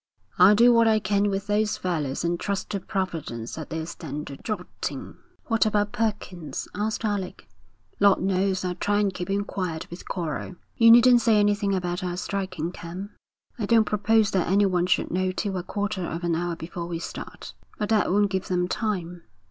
'I'll do what I can with those fellows and trust to Providence that they'll stand the jolting.' 'What about Perkins?' asked Alec. 'Lord knows! I'll try and keep him quiet with choral.' 'You needn't say anything about our striking camp. I don't propose that anyone should know till a quarter of an hour before we start.' 'But that won't give them time.'